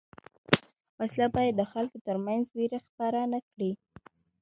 وسله باید د خلکو تر منځ وېره خپره نه کړي